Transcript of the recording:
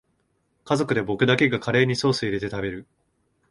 家族で僕だけがカレーにソースいれて食べる